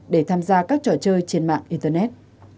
để tham gia các trò chơi trên mạng internet